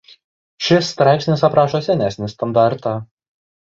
Šis straipsnis aprašo senesnį standartą.